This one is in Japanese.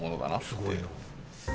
すごいな。